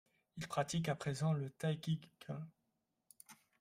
Il pratique à présent le Taikiken.